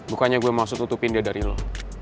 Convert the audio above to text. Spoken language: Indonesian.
bukannya gue mau sututupin dia dari lo